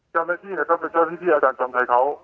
เจ้าหน้าที่ก็เป็นเจ้าหน้าที่อาจารย์จอมชัยเขา